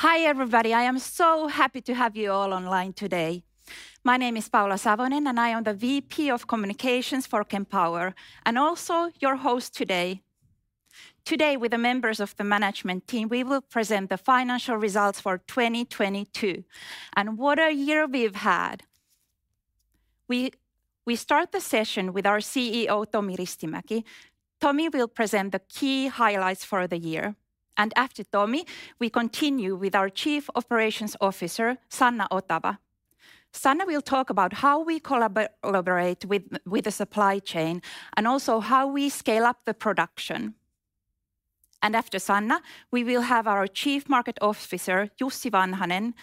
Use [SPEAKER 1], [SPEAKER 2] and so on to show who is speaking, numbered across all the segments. [SPEAKER 1] Hi, everybody. I am so happy to have you all online today. My name is Paula Savonen. I am the VP of Communications for Kempower, also your host today. Today, with the members of the management team, we will present the financial results for 2022. What a year we've had. We start the session with our CEO, Tomi Ristimäki. Tomi will present the key highlights for the year. After Tomi, we continue with our Chief Operating Officer, Sanna Otava. Sanna will talk about how we collaborate with the supply chain also how we scale up the production. After Sanna, we will have our Chief Markets Officer, Jussi Vanhanen,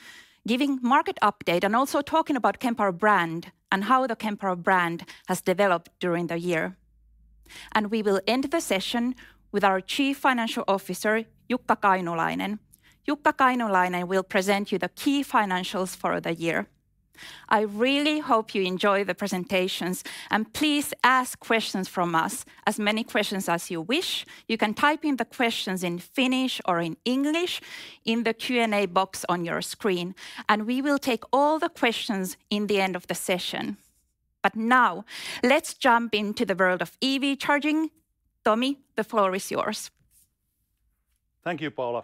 [SPEAKER 1] giving market update also talking about Kempower brand how the Kempower brand has developed during the year. We will end the session with our Chief Financial Officer, Jukka Kainulainen. Jukka Kainulainen will present you the key financials for the year. I really hope you enjoy the presentations, and please ask questions from us, as many questions as you wish. You can type in the questions in Finnish or in English in the Q&A box on your screen, and we will take all the questions in the end of the session. Now, let's jump into the world of EV charging. Tomi, the floor is yours.
[SPEAKER 2] Thank you, Paula.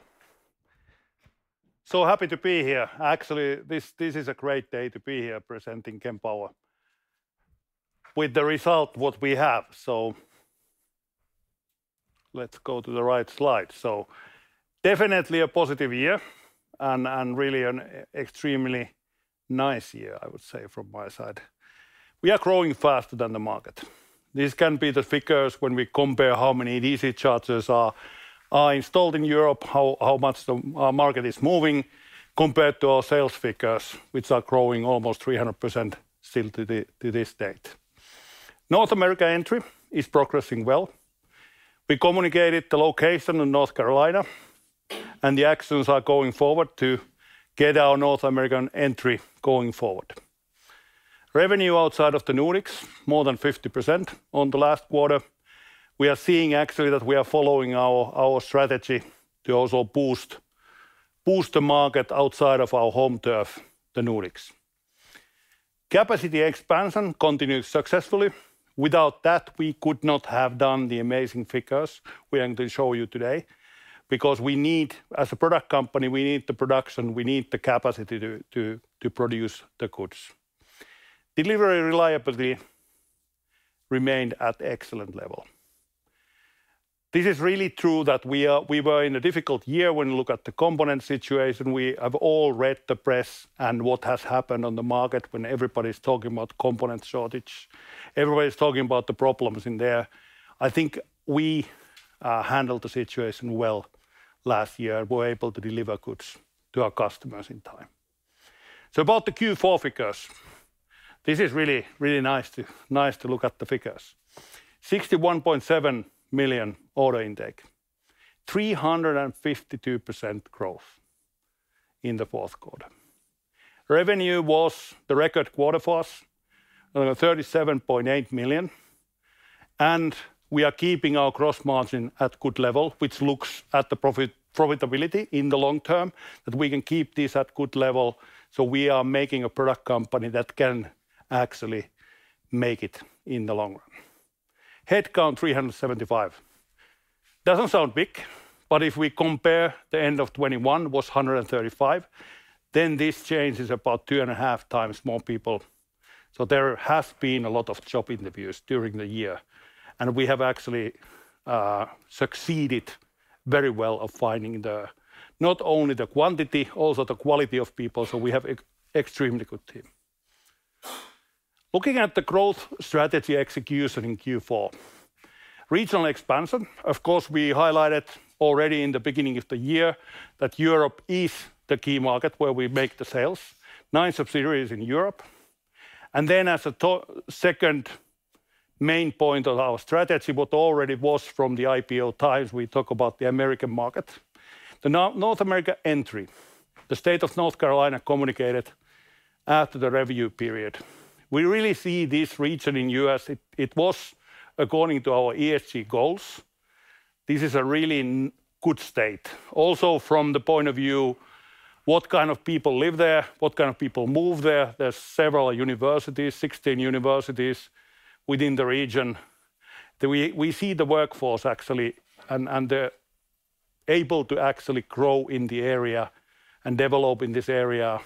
[SPEAKER 2] Happy to be here. Actually, this is a great day to be here presenting Kempower with the result what we have. Let's go to the right slide. Definitely a positive year and really an extremely nice year, I would say from my side. We are growing faster than the market. This can be the figures when we compare how many DC chargers are installed in Europe, how much the market is moving compared to our sales figures, which are growing almost 300% still to this date. North America entry is progressing well. We communicated the location in North Carolina, the actions are going forward to get our North American entry going forward. Revenue outside of the Nordics, more than 50% on the last quarter. We are seeing actually that we are following our strategy to also boost the market outside of our home turf, the Nordics. Capacity expansion continues successfully. Without that, we could not have done the amazing figures we are going to show you today because as a product company, we need the production, we need the capacity to produce the goods. Delivery reliability remained at excellent level. This is really true that we were in a difficult year when you look at the component situation. We have all read the press and what has happened on the market when everybody's talking about component shortage. Everybody's talking about the problems in there. I think we handled the situation well last year. We were able to deliver goods to our customers in time. About the Q4 figures, this is really nice to look at the figures. 61.7 million order intake, 352% growth in the fourth quarter. Revenue was the record quarter for us, 37.8 million. We are keeping our gross margin at good level, which looks at the profitability in the long term, that we can keep this at good level. We are making a product company that can actually make it in the long run. Headcount 375. Doesn't sound big. If we compare the end of 2021 was 135, this change is about 2.5x more people. There has been a lot of job interviews during the year, we have actually succeeded very well of finding the, not only the quantity, also the quality of people, we have extremely good team. Looking at the growth strategy execution in Q4. Regional expansion, of course, we highlighted already in the beginning of the year that Europe is the key market where we make the sales. Nine subsidiaries in Europe. As a second main point of our strategy, what already was from the IPO times, we talk about the American market. The North America entry, the state of North Carolina communicated after the review period. We really see this region in U.S., it was according to our ESG goals. This is a really good state. Also, from the point of view, what kind of people live there, what kind of people move there's several universities, 16 universities within the region, that we see the workforce actually and they're able to actually grow in the area and develop in this area,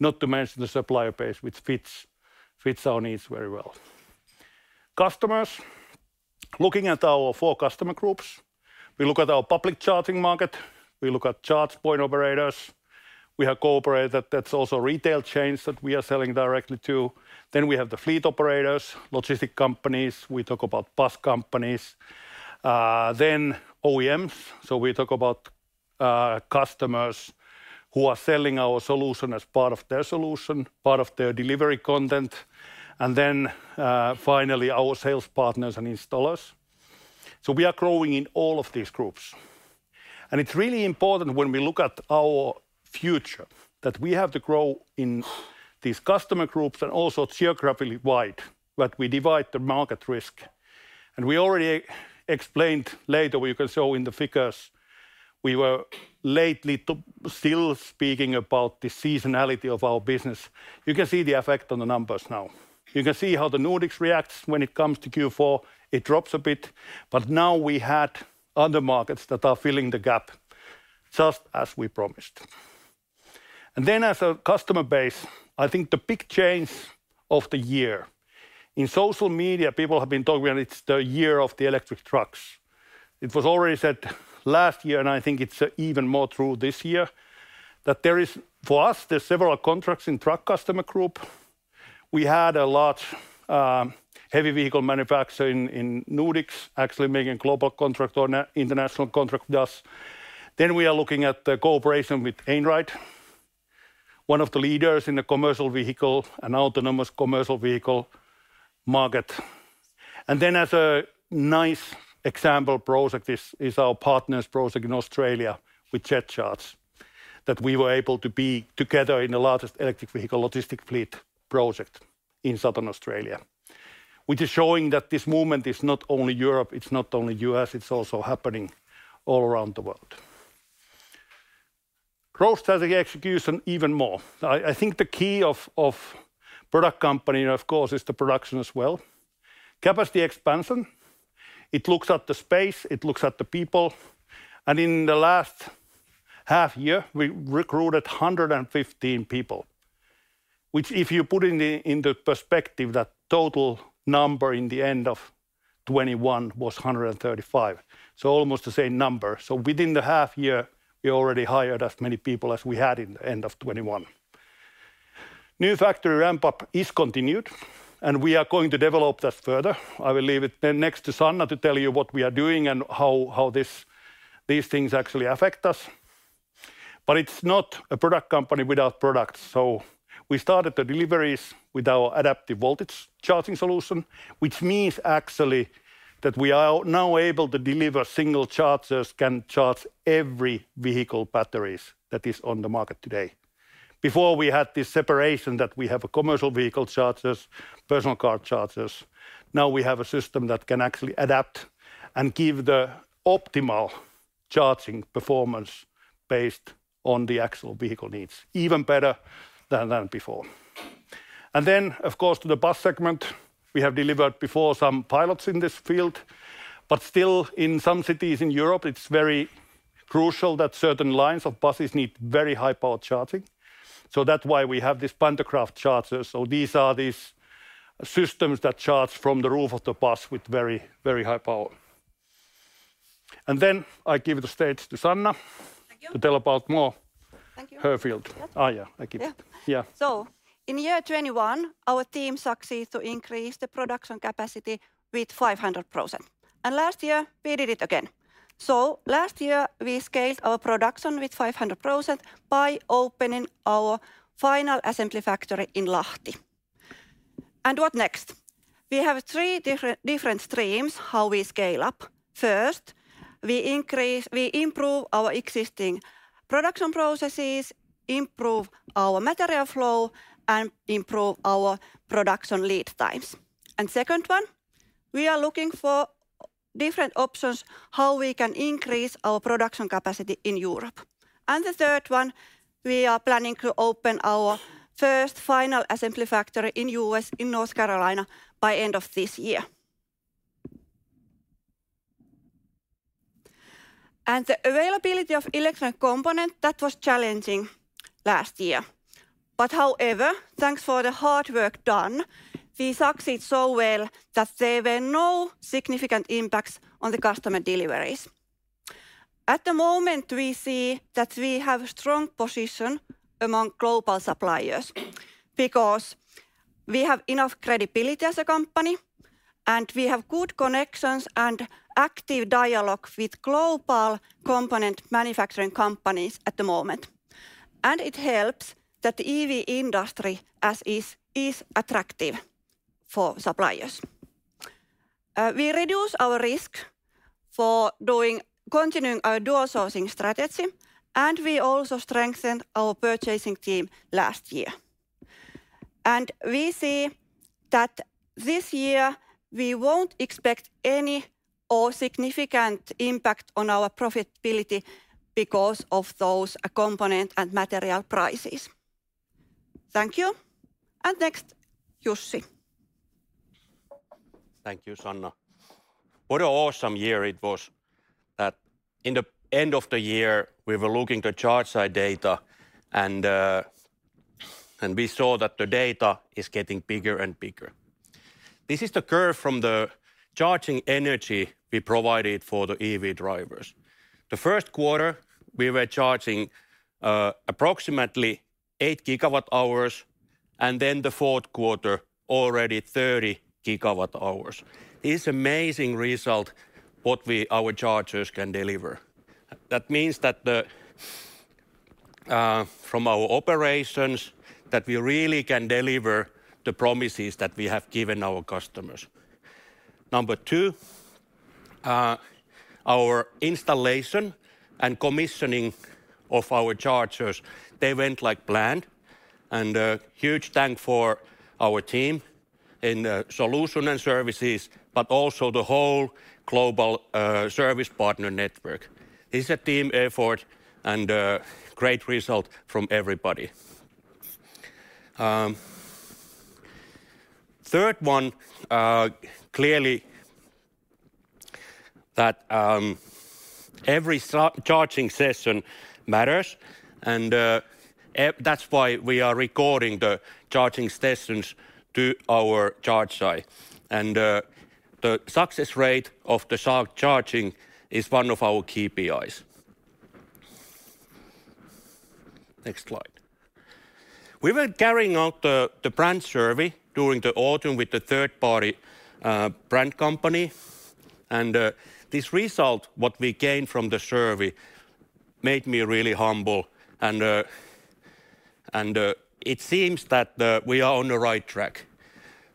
[SPEAKER 2] not to mention the supplier base, which fits our needs very well. Customers, looking at our four customer groups, we look at our public charging market, we look at charge point operators. We have cooperated, that's also retail chains that we are selling directly to. We have the fleet operators, logistic companies, we talk about bus companies, then OEMs, so we talk about customers who are selling our solution as part of their solution, part of their delivery content, finally, our sales partners and installers. We are growing in all of these groups. It's really important when we look at our future that we have to grow in these customer groups are also geographically wide, but we divide the market risk, and we already explained later we can show in the figures we were lately to still speaking about the seasonality of our business. You can see the effect on the numbers now. You can see how the Nordics reacts when it comes to Q4. It drops a bit, but now we had other markets that are filling the gap just as we promised. As a customer base, I think the big change of the year, in social media, people have been talking, and it's the year of the electric trucks. It was already said last year, and I think it's even more true this year, that for us, there's several contracts in truck customer group. We had a large heavy vehicle manufacturer in Nordics actually making global contract or international contract with us. We are looking at the cooperation with Einride, one of the leaders in the commercial vehicle and autonomous commercial vehicle market. As a nice example project is our partners project in Australia with JET Charge, that we were able to be together in the largest electric vehicle logistic fleet project in Southern Australia, which is showing that this movement is not only Europe, it's not only U.S., it's also happening all around the world. Growth strategy execution even more. I think the key of product company, of course, is the production as well. Capacity expansion, it looks at the space, it looks at the people. In the last half year, we recruited 115 people, which if you put in the perspective that total number in the end of 2021 was 135, so almost the same number. Within the half year, we already hired as many people as we had in the end of 2021. New factory ramp-up is continued, and we are going to develop that further. I will leave it next to Sanna to tell you what we are doing and how these things actually affect us. It's not a product company without products. We started the deliveries with our adaptive voltage charging solution, which means actually that we are now able to deliver single chargers can charge every vehicle batteries that is on the market today. Before we had this separation that we have a commercial vehicle chargers, personal car chargers. Now we have a system that can actually adapt and give the optimal charging performance based on the actual vehicle needs, even better than before. Of course, the bus segment, we have delivered before some pilots in this field. Still in some cities in Europe, it's very crucial that certain lines of buses need very high power charging. That's why we have this pantograph chargers. These are these systems that charge from the roof of the bus with very, very high power. I give the stage to Sanna.
[SPEAKER 3] Thank you.
[SPEAKER 2] To tell about more.
[SPEAKER 3] Thank you.
[SPEAKER 2] Her field.
[SPEAKER 3] Yeah.
[SPEAKER 2] Oh, yeah, I give it.
[SPEAKER 3] Yeah.
[SPEAKER 2] Yeah.
[SPEAKER 3] In year 2021, our team succeed to increase the production capacity with 500%, and last year we did it again. Last year we scaled our production with 500% by opening our final assembly factory in Lahti. What next? We have three different streams how we scale up. First, we improve our existing production processes, improve our material flow, and improve our production lead times. Second one, we are looking for different options how we can increase our production capacity in Europe. The third one, we are planning to open our first final assembly factory in U.S., in North Carolina by end of this year. The availability of electronic component, that was challenging last year. However, thanks for the hard work done, we succeed so well that there were no significant impacts on the customer deliveries. At the moment, we see that we have strong position among global suppliers because we have enough credibility as a company, and we have good connections and active dialogue with global component manufacturing companies at the moment, and it helps that EV industry as is attractive for suppliers. We reduce our risk for continuing our dual sourcing strategy, and we also strengthened our purchasing team last year. We see that this year we won't expect any or significant impact on our profitability because of those component and material prices. Thank you. Next, Jussi.
[SPEAKER 4] Thank you, Sanna. What a awesome year it was that in the end of the year, we were looking ChargEye data. We saw that the data is getting bigger and bigger. This is the curve from the charging energy we provided for the EV drivers. The first quarter we were charging approximately 8 GWh. Then the fourth quarter already 30 GWh. This amazing result what we, our chargers can deliver. That means that from our operations that we really can deliver the promises that we have given our customers. Number two. Our installation and commissioning of our chargers, they went like planned. Huge thank for our team in solution and services, but also the whole global service partner network. This a team effort, great result from everybody. Third one, clearly that every charging session matters, that's why we are recording the charging sessions to our ChargEye. The success rate of the charging is one of our KPIs. Next slide. We were carrying out the brand survey during the autumn with the third party brand company, this result, what we gained from the survey, made me really humble. It seems that we are on the right track.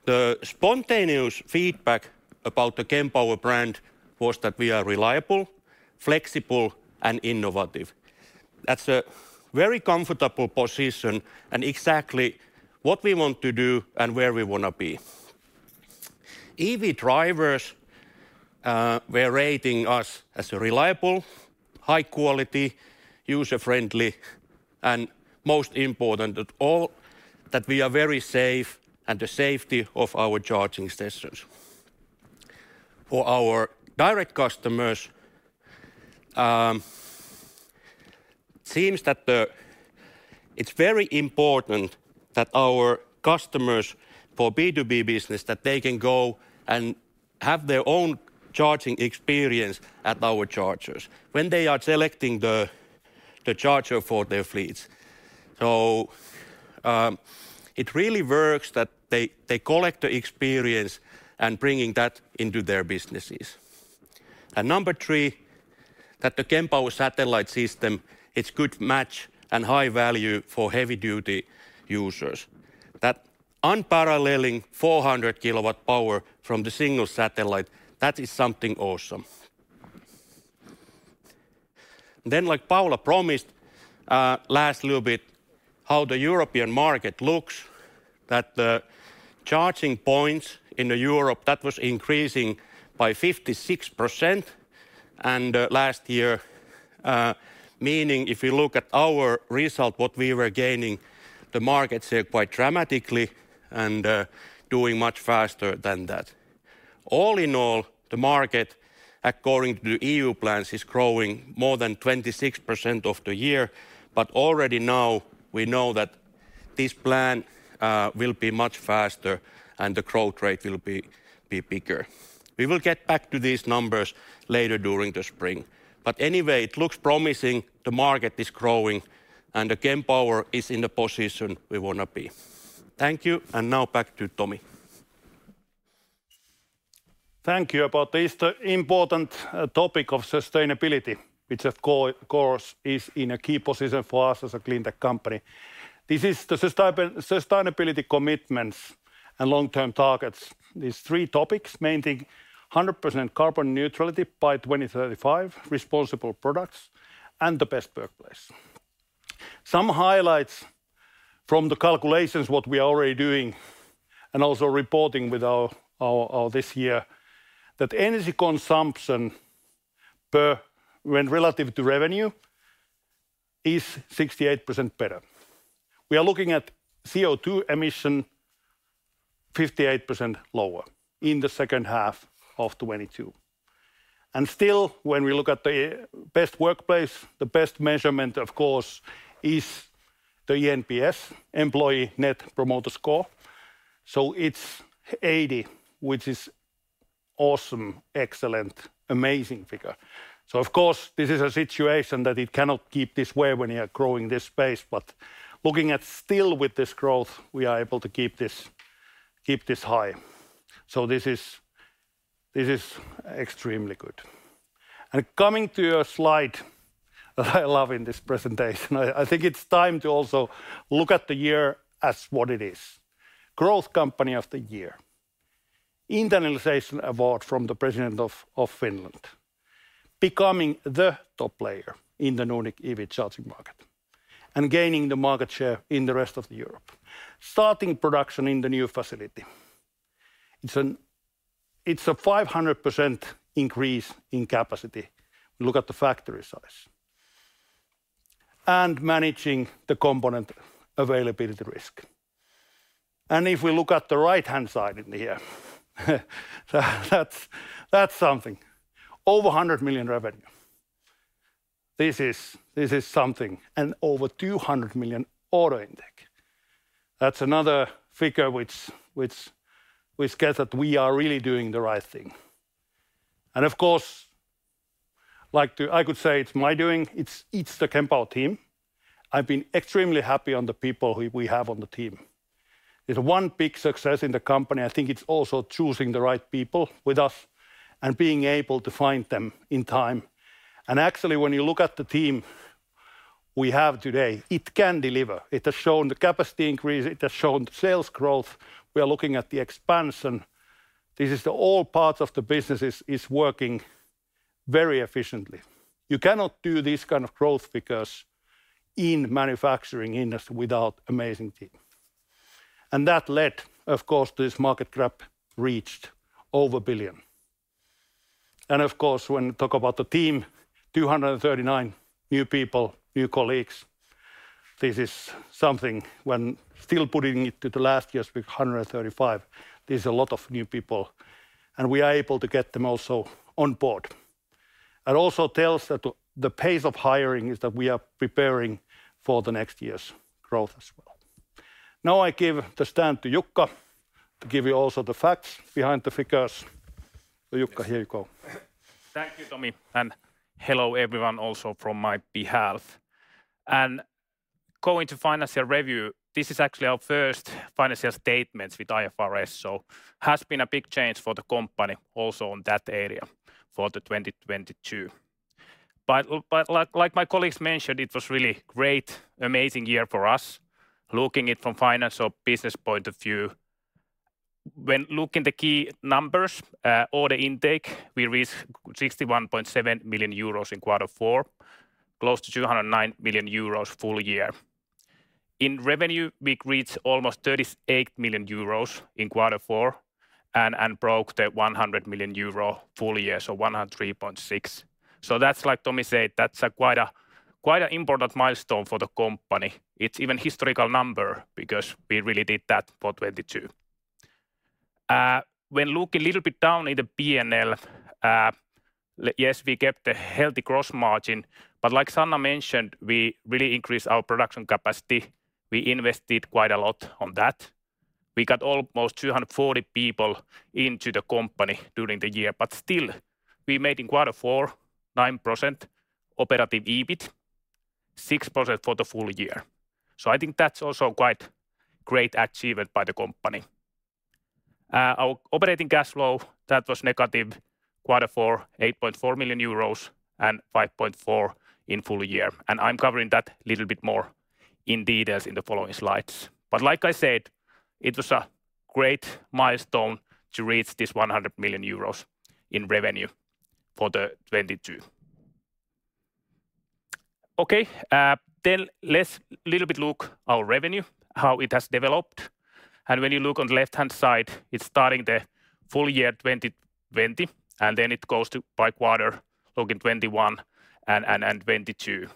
[SPEAKER 4] The spontaneous feedback about the Kempower brand was that we are reliable, flexible, and innovative. That's a very comfortable position and exactly what we want to do and where we wanna be. EV drivers were rating us as a reliable, high-quality, user-friendly, and most important of all, that we are very safe and the safety of our charging stations. For our direct customers, it's very important that our customers for B2B business, that they can go and have their own charging experience at our chargers when they are selecting the charger for their fleets. It really works that they collect the experience and bringing that into their businesses. Number three, that the Kempower Satellite system, it's good match and high value for heavy-duty users. Unparalleled 400 kW power from the single satellite, that is something awesome. Like Paula promised, last little bit, how the European market looks. The charging points in Europe, that was increasing by 56% last year, meaning if you look at our result, what we were gaining the market share quite dramatically and doing much faster than that. All in all, the market, according to the EU plans, is growing more than 26% of the year. Already now we know that this plan will be much faster and the growth rate will be bigger. We will get back to these numbers later during the spring. Anyway, it looks promising. The market is growing, and Kempower is in the position we wanna be. Thank you. Now back to Tomi.
[SPEAKER 2] Thank you. About this important topic of sustainability, which of course is in a key position for us as a clean tech company. This is the sustainability commitments and long-term targets. These three topics, maintaining 100% carbon neutrality by 2035, responsible products, and the best workplace. Some highlights from the calculations, what we are already doing and also reporting with our this year, that energy consumption per, when relative to revenue, is 68% better. We are looking at CO2 emission 58% lower in the second half of 2022. Still, when we look at the best workplace, the best measurement, of course, is the eNPS, Employee Net Promoter Score. It's 80, which is awesome, excellent, amazing figure. Of course, this is a situation that it cannot keep this way when you are growing this space. Looking at still with this growth, we are able to keep this high. This is extremely good. Coming to a slide that I love in this presentation, I think it's time to also look at the year as what it is. Finnish Growth Company of the Year. Internationalization Award from the President of Finland. Becoming the top player in the Nordic EV charging market, and gaining the market share in the rest of Europe. Starting production in the new facility. It's a 500% increase in capacity when you look at the factory size. Managing the component availability risk. If we look at the right-hand side in here, that's something. Over 100 million revenue. This is something. Over 200 million order intake. That's another figure which we get that we are really doing the right thing. Of course, I could say it's my doing. It's the Kempower team. I've been extremely happy on the people who we have on the team. There's one big success in the company, I think it's also choosing the right people with us and being able to find them in time. Actually, when you look at the team we have today, it can deliver. It has shown the capacity increase, it has shown sales growth. We are looking at the expansion. This is the all parts of the business is working very efficiently. You cannot do this kind of growth figures in manufacturing industry without amazing team. That led, of course, this market cap reached over 1 billion. Of course, when you talk about the team, 239 new people, new colleagues. This is something when still putting it to the last year's with 135. This is a lot of new people, and we are able to get them also on board. That also tells that the pace of hiring is that we are preparing for the next year's growth as well. I give the stand to Jukka to give you also the facts behind the figures. Jukka, here you go.
[SPEAKER 5] Thank you, Tomi. Hello everyone also from my behalf. Going to financial review, this is actually our first financial statements with IFRS. Has been a big change for the company also on that area for 2022. But like my colleagues mentioned, it was really great, amazing year for us looking it from financial business point of view. When looking the key numbers, order intake, we reached 61.7 million euros in quarter four. Close to 209 million euros full year. In revenue, we reached almost 38 million euros in quarter four and broke the 100 million euro full year, so 103.6 million. That's like Tomi said, that's a quite important milestone for the company. It's even historical number because we really did that for 2022. When look a little bit down in the PNL, yes, we kept a healthy gross margin, but like Sanna mentioned, we really increased our production capacity. We invested quite a lot on that. We got almost 240 people into the company during the year. Still we made in quarter four 9% operative EBIT. 6% for the full year. I think that's also quite great achievement by the company. Our operating cash flow, that was negative quarter four, 8.4 million euros and 5.4 in full year. I'm covering that little bit more in details in the following slides. Like I said, it was a great milestone to reach this 100 million euros in revenue for the 2022. Let's little bit look our revenue, how it has developed. When you look on the left-hand side, it's starting the full year 2020, then it goes to by quarter look in 2021 and 2022.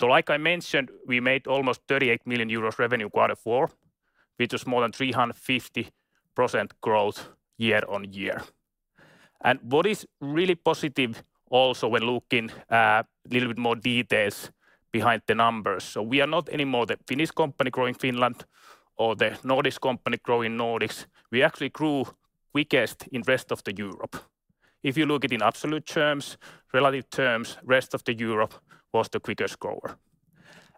[SPEAKER 5] Like I mentioned, we made almost 38 million euros revenue quarter four, which was more than 350% growth year-on-year. What is really positive also when looking little bit more details behind the numbers. We are not anymore the Finnish company growing Finland or the Nordics company growing Nordics. We actually grew quickest in rest of the Europe. If you look it in absolute terms, relative terms, rest of the Europe was the quickest grower.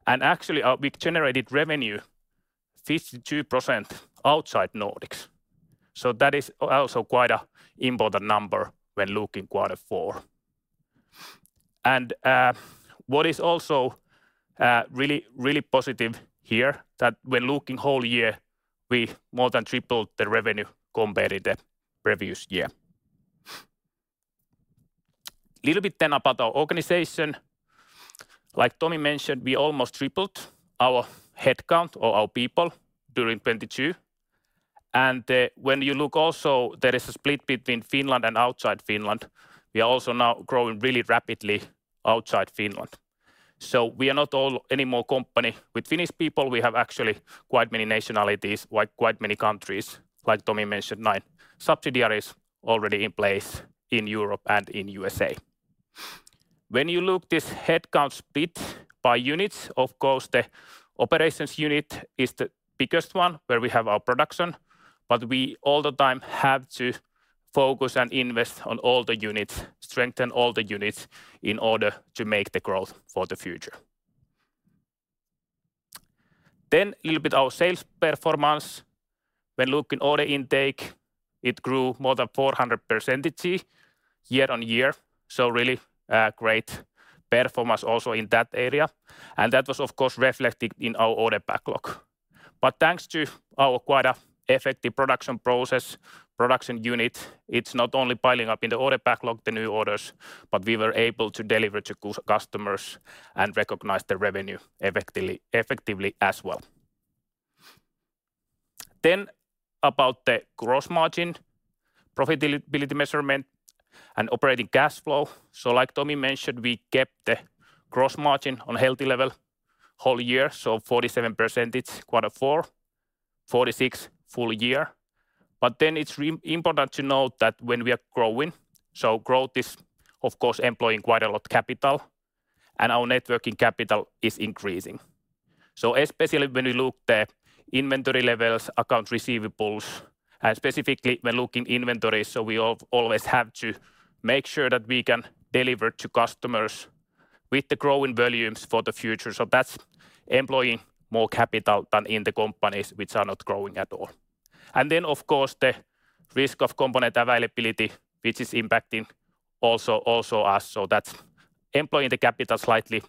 [SPEAKER 5] Actually, we generated revenue 52% outside Nordics. That is also quite a important number when looking quarter four. What is also really, really positive here that when looking whole year, we more than tripled the revenue compared to the previous year. Little bit then about our organization. Like Tomi mentioned, we almost tripled our headcount or our people during 22. When you look also there is a split between Finland and outside Finland, we are also now growing really rapidly outside Finland. We are not any more company with Finnish people. We have actually quite many nationalities, quite many countries. Like Tomi mentioned, nine subsidiaries already in place in Europe and in U.S.A. When you look this headcount split by units, of course the operations unit is the biggest one where we have our production, but we all the time have to focus and invest on all the units, strengthen all the units in order to make the growth for the future. Little bit our sales performance. When looking order intake, it grew more than 400% year-on-year, so really great performance also in that area. That was of course reflected in our order backlog. Thanks to our quite a effective production process, production unit, it's not only piling up in the order backlog the new orders, but we were able to deliver to customers and recognize the revenue effectively as well. About the gross margin profitability measurement and operating cash flow. Like Tomi mentioned, we kept the gross margin on healthy level whole year, 47% quarter four, 46% full year. It's important to note that when we are growing, growth is of course employing quite a lot capital, and our net working capital is increasing. Especially when you look the inventory levels, account receivables, and specifically when looking inventories, we always have to make sure that we can deliver to customers with the growing volumes for the future. That's employing more capital than in the companies which are not growing at all. Of course the risk of component availability, which is impacting also us. That's employing the capital slightly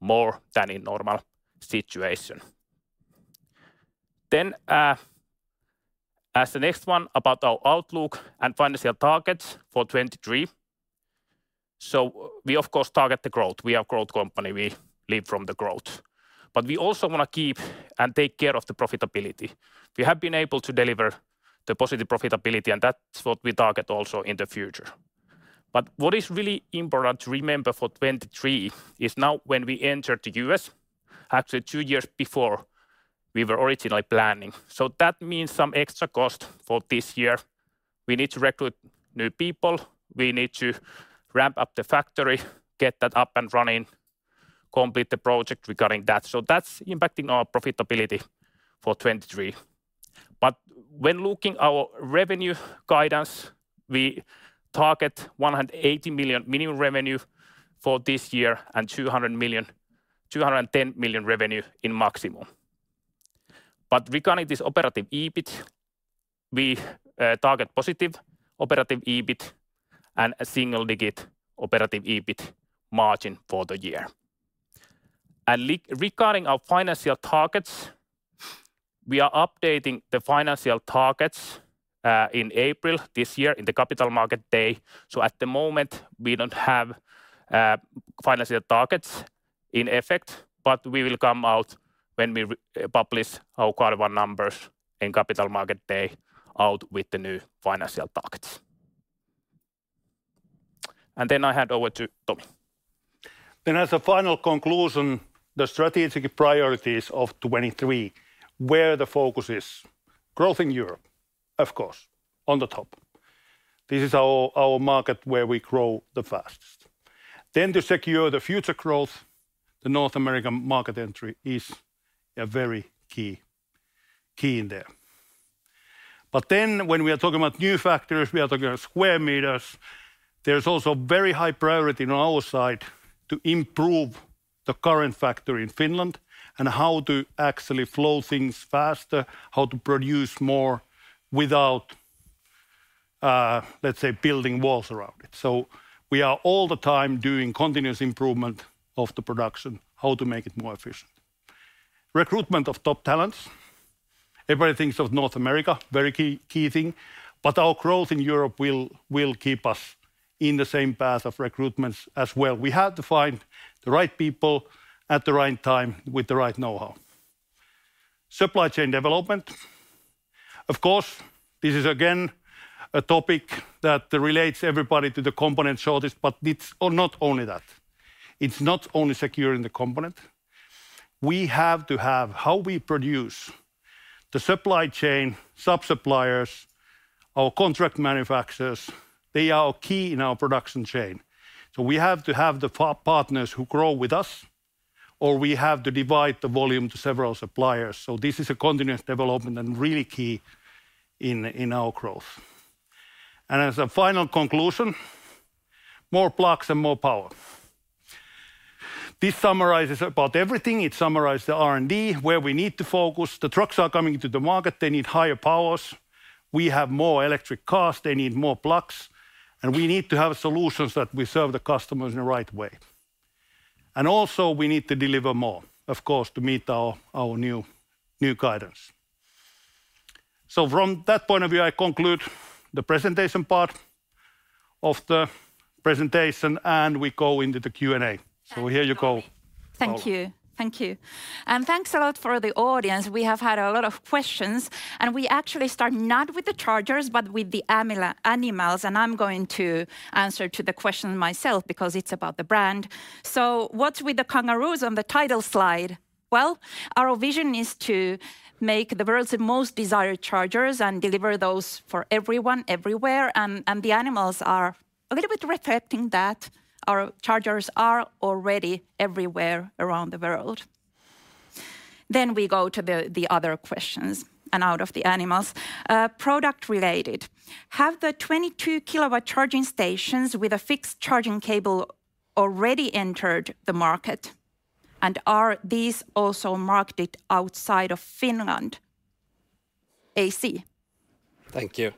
[SPEAKER 5] more than in normal situation. As the next one about our outlook and financial targets for 2023. We of course target the growth. We are growth company. We live from the growth. We also wanna keep and take care of the profitability. We have been able to deliver the positive profitability, and that's what we target also in the future. What is really important to remember for 2023 is now when we enter the U.S., actually 2 years before we were originally planning. That means some extra cost for this year. We need to recruit new people. We need to ramp up the factory, get that up and running, complete the project regarding that. That's impacting our profitability for 2023. When looking our revenue guidance, we target $180 million minimum revenue for this year and $200 million, $210 million revenue in maximum. Regarding this operative EBIT, we target positive operative EBIT and a single-digit operative EBIT margin for the year. Regarding our financial targets, we are updating the financial targets in April this year in the Capital Markets Day. At the moment we don't have financial targets in effect, but we will come out when we re-publish our quarter one numbers in Capital Markets Day out with the new financial targets. I hand over to Tomi.
[SPEAKER 2] As a final conclusion, the strategic priorities of 2023, where the focus is. Growth in Europe, of course, on the top. This is our market where we grow the fastest. When we are talking about new factors, we are talking square meters. There's also very high priority on our side to improve the current factory in Finland and how to actually flow things faster, how to produce more without, let's say, building walls around it. We are all the time doing continuous improvement of the production, how to make it more efficient. Recruitment of top talents. Everybody thinks of North America, very key thing, but our growth in Europe will keep us in the same path of recruitments as well. We have to find the right people at the right time with the right know-how. Supply chain development. Of course, this is again a topic that relates everybody to the component shortage, but it's not only that. It's not only securing the component. We have to have how we produce the supply chain, sub-suppliers, our contract manufacturers, they are key in our production chain. We have to have the partners who grow with us, or we have to divide the volume to several suppliers. This is a continuous development and really key in our growth. As a final conclusion, more plugs and more power. This summarizes about everything. It summarize the R&D, where we need to focus. The trucks are coming to the market, they need higher powers. We have more electric cars, they need more plugs. We need to have solutions that we serve the customers in the right way. Also we need to deliver more, of course, to meet our new guidance. From that point of view, I conclude the presentation part of the presentation, and we go into the Q&A. Here you go.
[SPEAKER 1] Thank you, Tomi. Thank you. Thanks a lot for the audience. We have had a lot of questions, we actually start not with the chargers, but with the animals, and I'm going to answer to the question myself because it's about the brand. What's with the kangaroos on the title slide? Well, our vision is to make the world's most desired chargers and deliver those for everyone, everywhere, and the animals are a little bit reflecting that our chargers are already everywhere around the world. We go to the other questions and out of the animals. Product related, have the 22 kW charging stations with a fixed charging cable already entered the market? Are these also marketed outside of Finland, AC?
[SPEAKER 5] Thank you.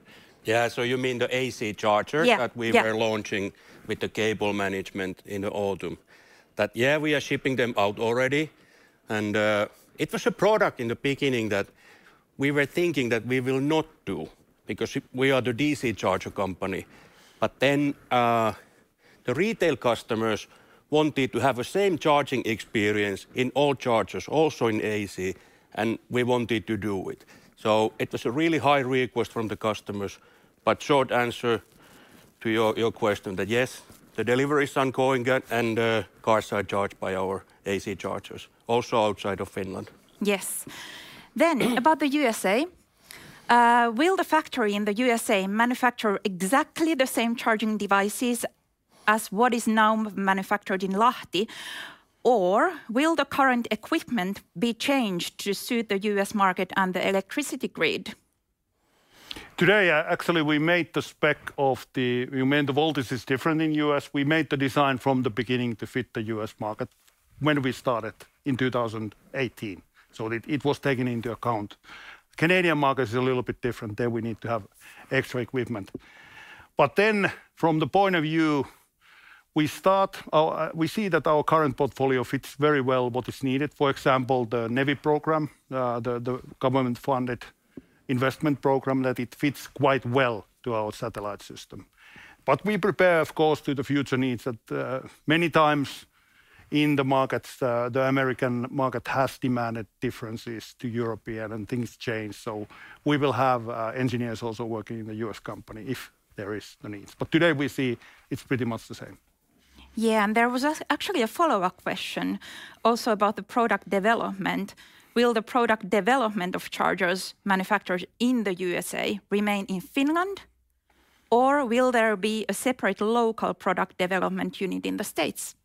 [SPEAKER 5] Yeah. You mean the AC chargers?
[SPEAKER 1] Yeah, yeah.
[SPEAKER 5] That we were launching with the cable management in the autumn? That, yeah, we are shipping them out already. It was a product in the beginning that we were thinking that we will not do because we are the DC charger company. The retail customers wanted to have the same charging experience in all chargers, also in AC, and we wanted to do it. It was a really high request from the customers. Short answer to your question that, yes, the delivery is ongoing and cars are charged by our AC chargers also outside of Finland.
[SPEAKER 1] Yes. About the U.S.A., will the factory in the U.S.A. manufacture exactly the same charging devices as what is now manufactured in Lahti? Or will the current equipment be changed to suit the U.S. market and the electricity grid?
[SPEAKER 2] Today, actually we made the spec of You know, the voltage is different in U.S. We made the design from the beginning to fit the U.S. market when we started in 2018. It was taken into account. Canadian market is a little bit different. There we need to have extra equipment. From the point of view, we start, we see that our current portfolio fits very well what is needed. For example, the NEVI program, the government-funded investment program, that it fits quite well to our Satellite system. We prepare, of course, to the future needs that many times in the markets, the American market has demanded differences to European, and things change. We will have engineers also working in the U.S. company if there is the needs. Today we see it's pretty much the same.
[SPEAKER 1] Yeah, there was actually a follow-up question also about the product development. Will the product development of chargers manufactured in the U.S.A. remain in Finland, or will there be a separate local product development unit in the States?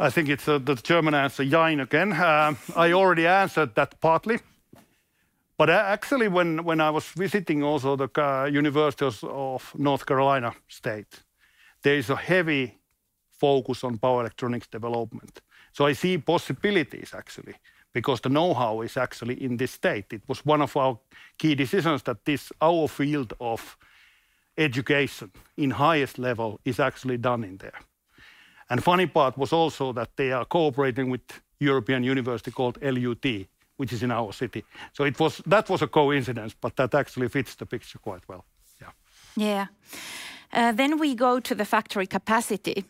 [SPEAKER 2] I think it's the German answer, yeah, in again. I already answered that partly. Actually, when I was visiting also the universities of North Carolina state, there is a heavy focus on power electronics development. I see possibilities actually because the knowhow is actually in this state. It was one of our key decisions that this, our field of education in highest level is actually done in there. Funny part was also that they are cooperating with European university called LUT, which is in our city. That was a coincidence, but that actually fits the picture quite well. Yeah.
[SPEAKER 1] Yeah. We go to the factory capacity.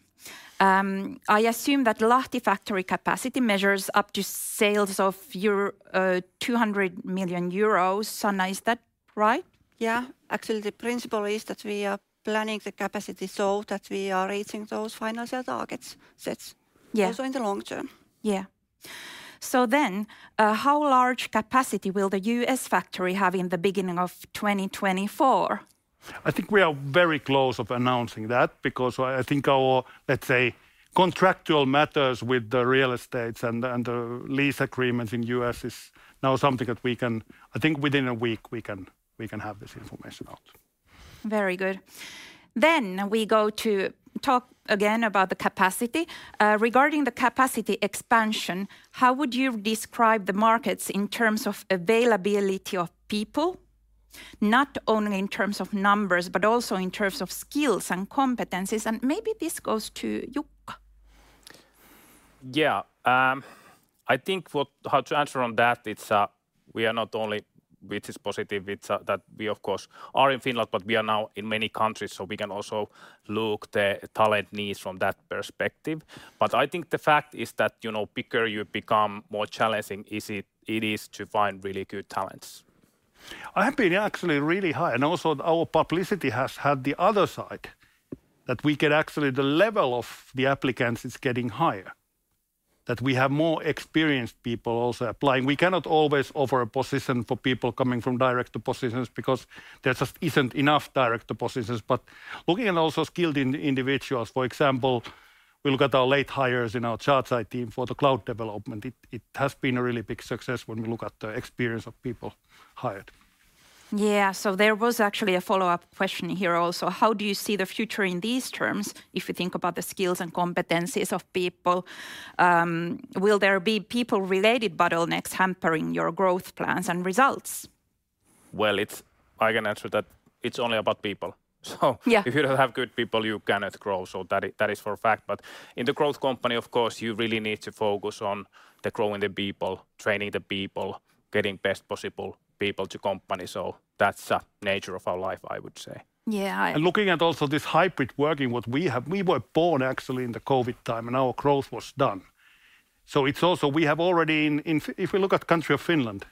[SPEAKER 1] I assume that Lahti factory capacity measures up to sales of 200 million euros. Sanna, is that right?
[SPEAKER 3] Yeah. Actually, the principle is that we are planning the capacity so that we are reaching those financial targets.
[SPEAKER 1] Yeah.
[SPEAKER 3] Also in the long term.
[SPEAKER 1] Yeah. How large capacity will the U.S. factory have in the beginning of 2024?
[SPEAKER 2] I think we are very close of announcing that because I think our, let's say, contractual matters with the real estates and the lease agreements in U.S. is now something that we can. I think within a week we can have this information out.
[SPEAKER 1] Very good. We go to talk again about the capacity. Regarding the capacity expansion, how would you describe the markets in terms of availability of people, not only in terms of numbers, but also in terms of skills and competencies? Maybe this goes to Jukka.
[SPEAKER 5] Yeah. I think how to answer on that, it's, we are not only, which is positive, it's, that we of course are in Finland. We are now in many countries, we can also look the talent needs from that perspective. I think the fact is that, you know, bigger you become, more challenging it is to find really good talents.
[SPEAKER 2] I have been actually really high, and also our publicity has had the other side, that we get actually the level of the applicants is getting higher, that we have more experienced people also applying. We cannot always offer a position for people coming from director positions because there just isn't enough director positions. Looking at also skilled individuals, for example, we look at our late hires in our ChargEye team for the cloud development, it has been a really big success when we look at the experience of people hired.
[SPEAKER 1] Yeah. There was actually a follow-up question here also. How do you see the future in these terms, if you think about the skills and competencies of people, will there be people-related bottlenecks hampering your growth plans and results?
[SPEAKER 5] Well, I can answer that. It's only about people.
[SPEAKER 1] Yeah.
[SPEAKER 5] If you don't have good people, you cannot grow. That is for a fact. In the growth company, of course, you really need to focus on the growing the people, training the people, getting best possible people to company. That's the nature of our life, I would say.
[SPEAKER 1] Yeah.
[SPEAKER 2] Looking at also this hybrid working, we were born actually in the COVID time, and our growth was done. It's also, we have already if we look at country of Finland,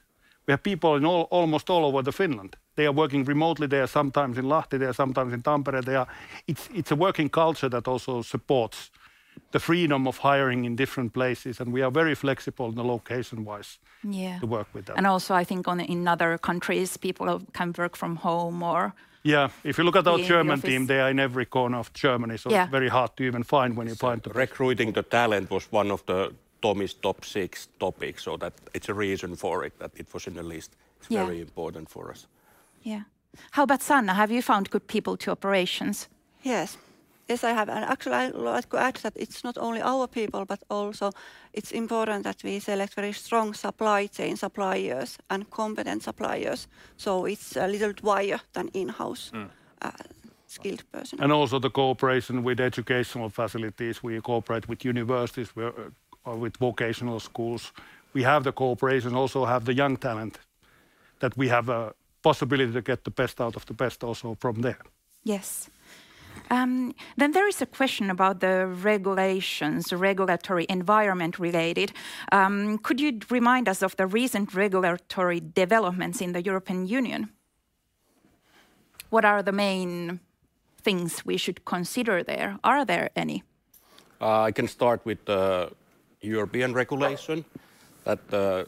[SPEAKER 2] we have people in almost all over the Finland. They are working remotely. They are sometimes in Lahti. They are sometimes in Tampere. It's a working culture that also supports the freedom of hiring in different places, and we are very flexible in the location-wise.
[SPEAKER 1] Yeah.
[SPEAKER 2] To work with that.
[SPEAKER 1] Also I think in other countries, people can work from home more.
[SPEAKER 2] Yeah. If you look at our German team, they are in every corner of Germany.
[SPEAKER 1] Yeah.
[SPEAKER 2] It's very hard to even find when you.
[SPEAKER 5] Recruiting the talent was one of the Tomi's top six topics, so that it's a reason for it that it was in the list.
[SPEAKER 1] Yeah.
[SPEAKER 5] It's very important for us.
[SPEAKER 1] Yeah. How about Sanna? Have you found good people to operations?
[SPEAKER 3] Yes. Yes, I have. Actually I would like to add that it's not only our people, but also it's important that we select very strong supply chain suppliers and competent suppliers, so it's a little wider than in-house.
[SPEAKER 2] Mm-hmm.
[SPEAKER 3] Skilled person.
[SPEAKER 2] Also the cooperation with educational facilities. We cooperate with universities or with vocational schools. We have the cooperation, also have the young talent that we have a possibility to get the best out of the best also from there.
[SPEAKER 1] Yes. There is a question about the regulations, regulatory environment related. Could you remind us of the recent regulatory developments in the European Union? What are the main things we should consider there? Are there any?
[SPEAKER 4] I can start with the European regulation, that the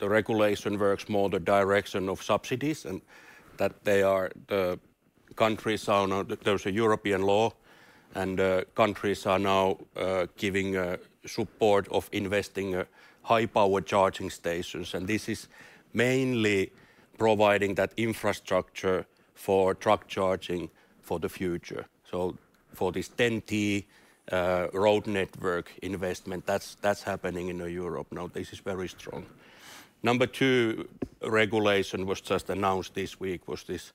[SPEAKER 4] regulation works more the direction of subsidies. There's a European law, and countries are now giving support of investing high-power charging stations, and this is mainly providing that infrastructure for truck charging for the future. For this TEN-T road network investment that's happening in Europe now. This is very strong. Number two regulation was just announced this week, was this,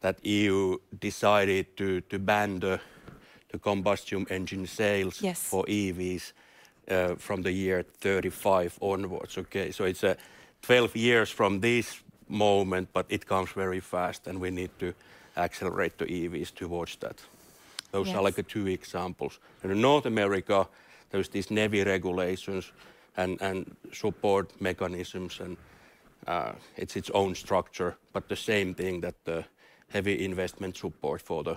[SPEAKER 4] that EU decided to ban the combustion engine.
[SPEAKER 1] Yes.
[SPEAKER 4] For EVs, from the year 2035 onwards. It's 12 years from this moment. It comes very fast. We need to accelerate the EVs towards that.
[SPEAKER 1] Yes.
[SPEAKER 4] Those are like the two examples. In North America, there's these NEVI regulations and support mechanisms and it's its own structure. The same thing that the heavy investment support for the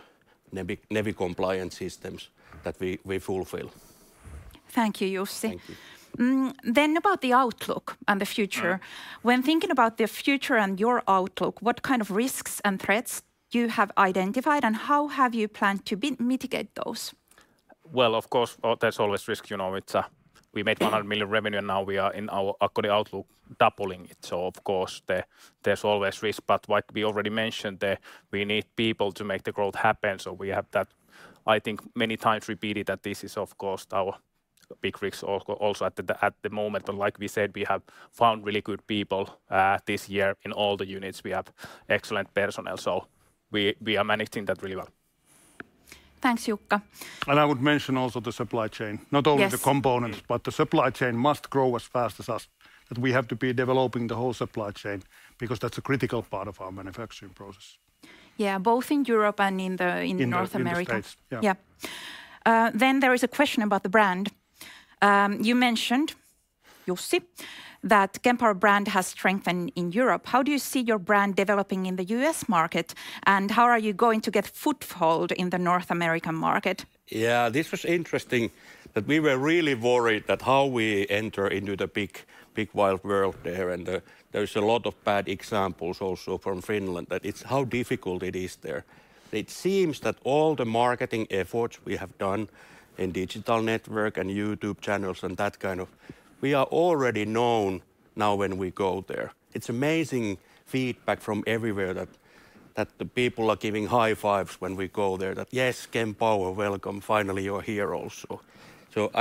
[SPEAKER 4] NEVI compliance systems that we fulfill.
[SPEAKER 1] Thank you, Jussi. About the outlook and the future. When thinking about the future and your outlook, what kind of risks and threats you have identified, and how have you planned to mitigate those?
[SPEAKER 5] Well, of course, there's always risk. You know, it's, we made $100 million revenue. Now we are in our according outlook doubling it, so of course there's always risk. What we already mentioned that we need people to make the growth happen, so we have that, I think, many times repeated that this is of course our big risk also at the moment. Like we said, we have found really good people this year in all the units. We have excellent personnel, so we are managing that really well.
[SPEAKER 1] Thanks, Jukka.
[SPEAKER 2] I would mention also the supply chain.
[SPEAKER 1] Yes.
[SPEAKER 2] Not only the components, but the supply chain must grow as fast as us, that we have to be developing the whole supply chain because that's a critical part of our manufacturing process.
[SPEAKER 1] Yeah, both in Europe and in North America.
[SPEAKER 2] In the States. Yeah.
[SPEAKER 1] Yeah. There is a question about the brand. You mentioned, Jussi, that Kempower brand has strengthened in Europe. How do you see your brand developing in the U.S. market, and how are you going to get foothold in the North American market?
[SPEAKER 4] This was interesting that we were really worried that how we enter into the big, big wide world there, and there's a lot of bad examples also from Finland that it's how difficult it is there. It seems that all the marketing efforts we have done in digital network and YouTube channels and that kind of. We are already known now when we go there. It's amazing feedback from everywhere that the people are giving high fives when we go there, that, "Yes, Kempower, welcome. Finally you're here also."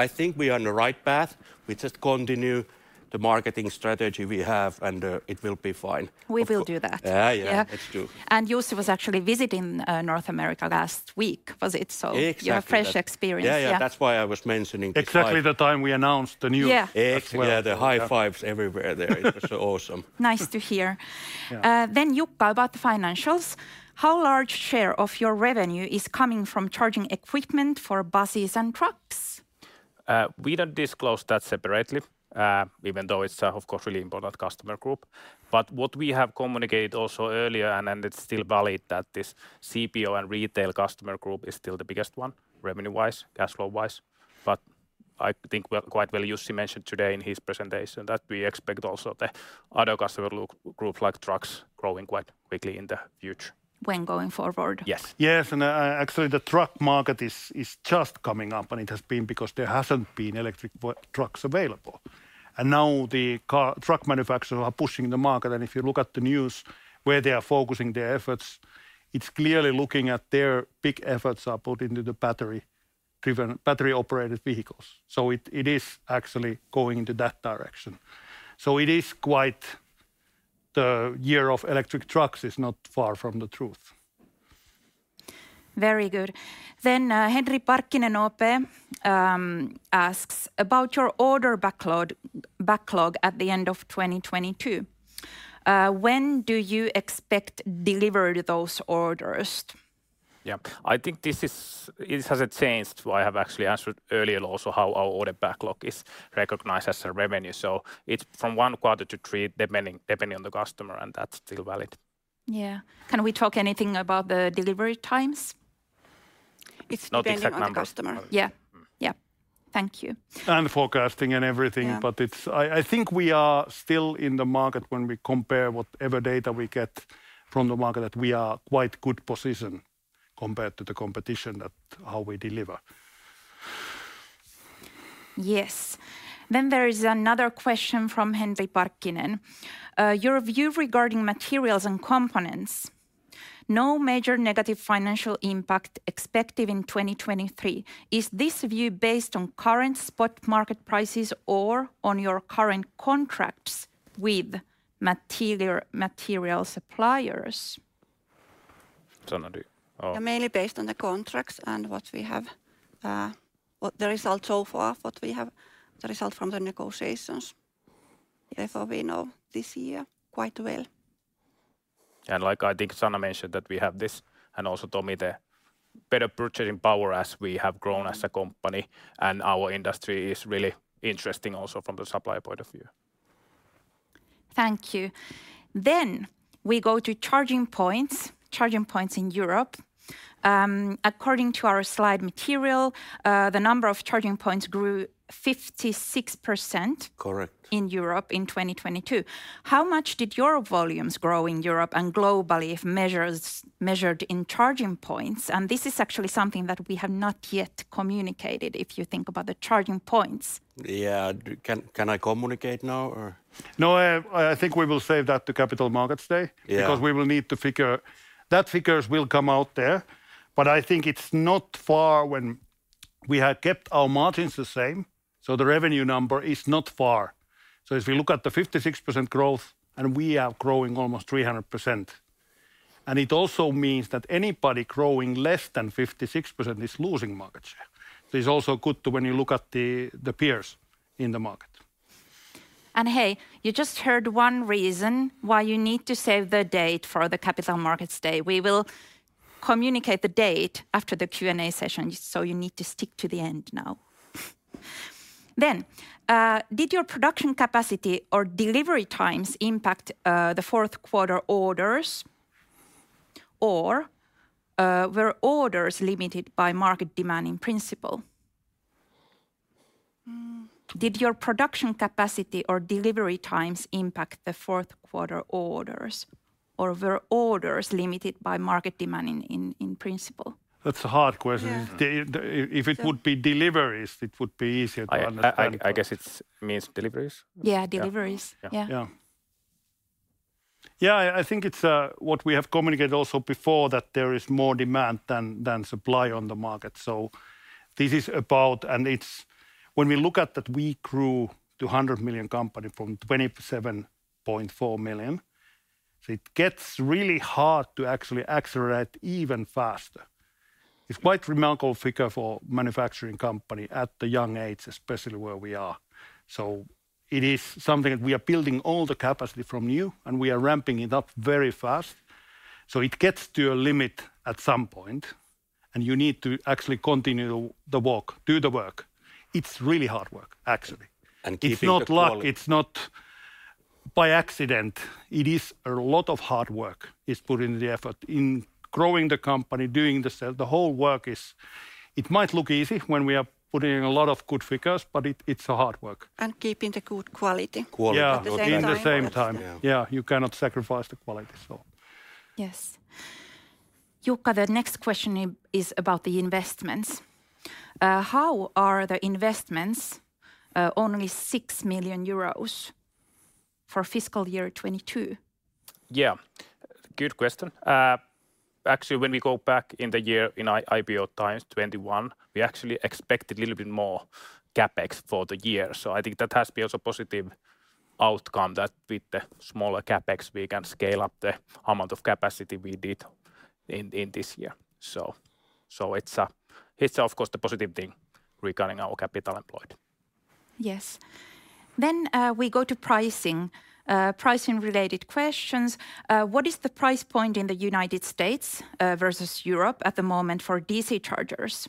[SPEAKER 4] I think we are on the right path. We just continue the marketing strategy we have, and it will be fine.
[SPEAKER 1] We will do that.
[SPEAKER 4] Yeah, yeah.
[SPEAKER 1] Yeah.
[SPEAKER 4] Let's do.
[SPEAKER 1] Jussi was actually visiting, North America last week, was it so?
[SPEAKER 4] Exactly that.
[SPEAKER 1] Your fresh experience. Yeah.
[SPEAKER 4] Yeah, yeah. That's why I was mentioning this like.
[SPEAKER 2] Exactly the time we announced the news as well.
[SPEAKER 1] Yeah.
[SPEAKER 4] Yeah, yeah. The high fives everywhere there. It was so awesome.
[SPEAKER 1] Nice to hear.
[SPEAKER 4] Yeah.
[SPEAKER 1] Jukka, about the financials, how large share of your revenue is coming from charging equipment for buses and trucks?
[SPEAKER 5] We don't disclose that separately, even though it's, of course, really important customer group. What we have communicated also earlier and then it's still valid that this CPO and retail customer group is still the biggest one revenue-wise, cashflow-wise. I think quite well Jussi mentioned today in his presentation that we expect also the other customer group like trucks growing quite quickly in the future.
[SPEAKER 1] When going forward?
[SPEAKER 5] Yes.
[SPEAKER 2] Yes, actually the truck market is just coming up, and it has been because there hasn't been electric trucks available. Now the truck manufacturer are pushing the market. If you look at the news where they are focusing their efforts, it's clearly looking at their big efforts are put into the battery-driven, battery-operated vehicles. It is actually going into that direction. It is quite the year of electric trucks is not far from the truth.
[SPEAKER 1] Very good. Henri Parkkinen, OP asks about your order backlog at the end of 2022, when do you expect deliver those orders?
[SPEAKER 5] Yeah. I think this is, it hasn't changed. I have actually answered earlier also how our order backlog is recognized as a revenue. It's from 1 quarter to 3 depending on the customer, and that's still valid.
[SPEAKER 1] Yeah. Can we talk anything about the delivery times? It's depending on the customer.
[SPEAKER 5] Not exact numbers.
[SPEAKER 1] Yeah. Yeah. Thank you.
[SPEAKER 2] Forecasting and everything.
[SPEAKER 1] Yeah.
[SPEAKER 2] I think we are still in the market when we compare whatever data we get from the market that we are quite good position compared to the competition at how we deliver.
[SPEAKER 1] Yes. There is another question from Henri Parkkinen. Your view regarding materials and components, no major negative financial impact expected in 2023. Is this view based on current spot market prices or on your current contracts with material suppliers?
[SPEAKER 4] Sanna do,
[SPEAKER 3] Mainly based on the contracts and what we have, what the results so far, what we have the result from the negotiations. Yeah, we know this year quite well.
[SPEAKER 5] Like I think Sanna mentioned that we have this, and also Tomi, the better purchasing power as we have grown as a company, and our industry is really interesting also from the supplier point of view.
[SPEAKER 1] Thank you. We go to charging points in Europe. According to our slide material, the number of charging points grew 56%.
[SPEAKER 2] Correct.
[SPEAKER 1] In Europe in 2022. How much did your volumes grow in Europe and globally if measured in charging points? This is actually something that we have not yet communicated, if you think about the charging points.
[SPEAKER 4] Yeah. Can I communicate now or?
[SPEAKER 2] No, I think we will save that to Capital Markets Day.
[SPEAKER 4] Yeah
[SPEAKER 2] Because we will need to. That figures will come out there, but I think it's not far. We have kept our margins the same, so the revenue number is not far. If you look at the 56% growth, we are growing almost 300%. It also means that anybody growing less than 56% is losing market share. This is also good to when you look at the peers in the market.
[SPEAKER 1] Hey, you just heard one reason why you need to save the date for the Capital Markets Day. We will communicate the date after the Q&A session, so you need to stick to the end now. Did your production capacity or delivery times impact the fourth quarter orders? Were orders limited by market demand in principle? Did your production capacity or delivery times impact the fourth quarter orders, or were orders limited by market demand in principle?
[SPEAKER 2] That's a hard question. If it would be deliveries, it would be easier to understand.
[SPEAKER 5] I guess it means deliveries.
[SPEAKER 1] Yeah, deliveries.
[SPEAKER 5] Yeah.
[SPEAKER 1] Yeah.
[SPEAKER 2] Yeah. Yeah, I think it's what we have communicated also before, that there is more demand than supply on the market. This is about and it's when we look at that we grew to 100 million company from 27.4 million, so it gets really hard to actually accelerate even faster. It's quite remarkable figure for manufacturing company at the young age, especially where we are. It is something that we are building all the capacity from new, and we are ramping it up very fast, so it gets to a limit at some point, and you need to actually continue the work, do the work. It's really hard work, actually. It's not luck. It's not by accident. It is a lot of hard work is put in the effort in growing the company, doing the sale. It might look easy when we are putting a lot of good figures, but it's a hard work.
[SPEAKER 1] Keeping the good quality.
[SPEAKER 2] At the same time. Yeah. Yeah, you cannot sacrifice the quality, so.
[SPEAKER 1] Yes. Jukka, the next question is about the investments. How are the investments, only 6 million euros for fiscal year 2022?
[SPEAKER 5] Yeah. Good question. Actually, when we go back in the year, in IPO times 2021, we actually expected a little bit more CapEx for the year. I think that has been also positive outcome that with the smaller CapEx we can scale up the amount of capacity we did in this year. It's, of course the positive thing regarding our capital employed.
[SPEAKER 1] Yes. We go to pricing related questions. What is the price point in the United States versus Europe at the moment for DC chargers?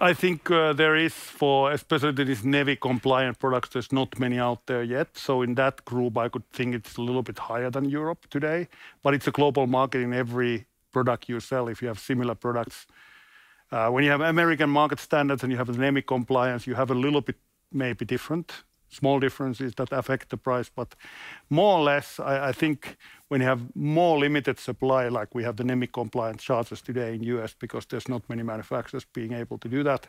[SPEAKER 2] I think, there is for especially these NEVI compliant products, there's not many out there yet, so in that group I could think it's a little bit higher than Europe today. It's a global market in every product you sell if you have similar products. When you have American market standards and you have NEVI compliance, you have a little bit maybe different, small differences that affect the price. More or less, I think when you have more limited supply like we have the NEVI compliance chargers today in U.S. because there's not many manufacturers being able to do that,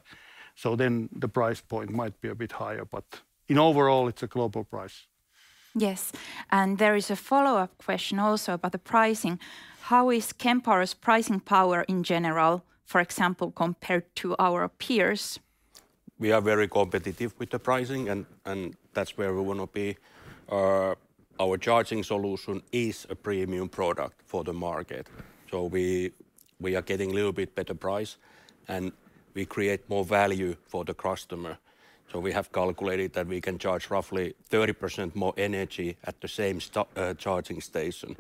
[SPEAKER 2] then the price point might be a bit higher. In overall, it's a global price.
[SPEAKER 1] Yes. There is a follow-up question also about the pricing. How is Kempower's pricing power in general, for example, compared to our peers?
[SPEAKER 5] We are very competitive with the pricing, and that's where we wanna be. Our charging solution is a premium product for the market, so we are getting little bit better price, and we create more value for the customer. We have calculated that we can charge roughly 30% more energy at the same charging station.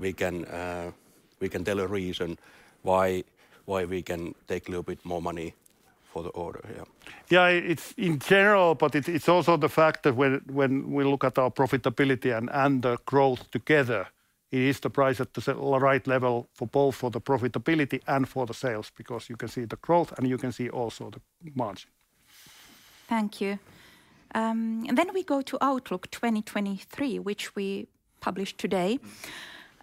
[SPEAKER 5] We can tell a reason why we can take a little bit more money for the order here.
[SPEAKER 2] Yeah, it's in general, but it's also the fact that when we look at our profitability and the growth together, it is the price at the right level for both for the profitability and for the sales because you can see the growth and you can see also the margin.
[SPEAKER 1] Thank you. Then we go to outlook 2023, which we published today.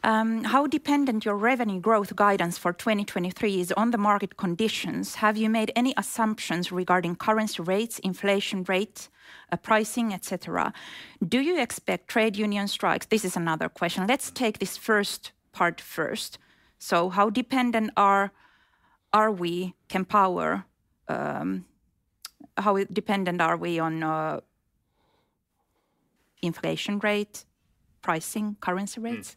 [SPEAKER 1] How dependent your revenue growth guidance for 2023 is on the market conditions? Have you made any assumptions regarding currency rates, inflation rate, pricing, et cetera? Do you expect trade union strikes? This is another question. Let's take this first part first. How dependent are we, Kempower, how dependent are we on inflation rate, pricing, currency rates?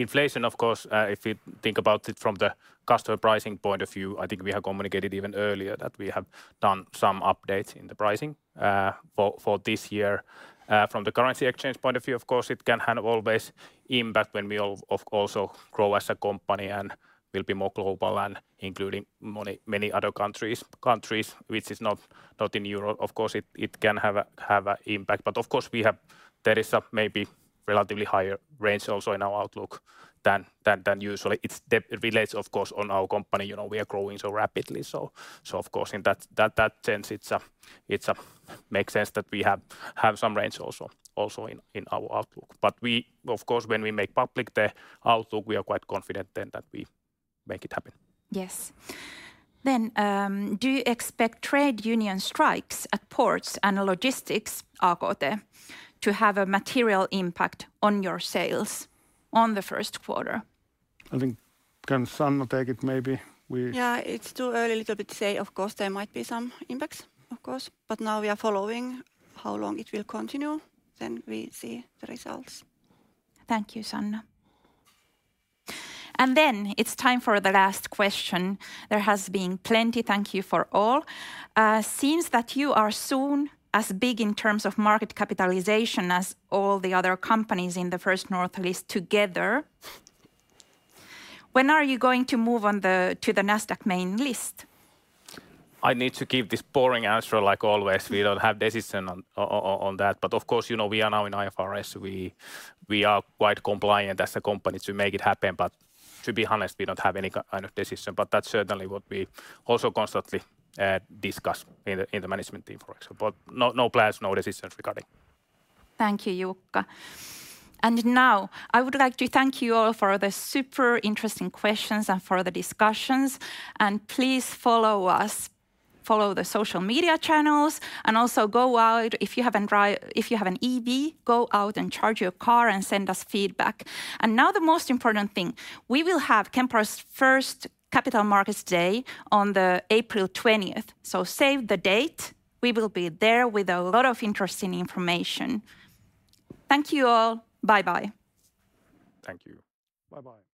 [SPEAKER 5] Inflation, of course, if you think about it from the customer pricing point of view, I think we have communicated even earlier that we have done some updates in the pricing for this year. From the currency exchange point of view, of course, it can have always impact when we of course, so grow as a company and will be more global and including many other countries which is not in Europe. Of course, it can have a impact. Of course, there is a maybe relatively higher range also in our outlook than usually. It relates of course on our company. You know, we are growing so rapidly, so of course in that sense, it's makes sense that we have some range also in our outlook. Of course, when we make public the outlook, we are quite confident then that we make it happen.
[SPEAKER 1] Yes. Do you expect trade union strikes at ports and logistics, AKT, to have a material impact on your sales on the first quarter?
[SPEAKER 2] I think can Sanna take it maybe?
[SPEAKER 3] Yeah, it's too early a little bit to say. Of course, there might be some impacts, of course, but now we are following how long it will continue, then we see the results.
[SPEAKER 1] Thank you, Sanna. It's time for the last question. There has been plenty, thank you for all. Seems that you are soon as big in terms of market capitalization as all the other companies in the First North list together. When are you going to move to the Nasdaq main list?
[SPEAKER 5] I need to give this boring answer like always. We don't have decision on that. Of course, you know, we are now in IFRS. We are quite compliant as a company to make it happen. To be honest, we don't have any kind of decision. That's certainly what we also constantly discuss in the management team, for example. No plans, no decisions regarding.
[SPEAKER 1] Thank you, Jukka. Now I would like to thank you all for the super interesting questions and for the discussions. Please follow us, follow the social media channels, and also go out. If you have an EV, go out and charge your car and send us feedback. Now the most important thing, we will have Kempower's first Capital Markets Day on the April 20th. Save the date. We will be there with a lot of interesting information. Thank you all. Bye-bye.
[SPEAKER 5] Thank you.
[SPEAKER 2] Bye-bye.
[SPEAKER 1] Thank you.